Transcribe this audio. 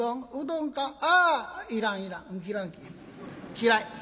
嫌い。